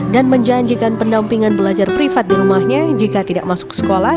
dan menjanjikan pendampingan belajar privat di rumahnya jika tidak masuk sekolah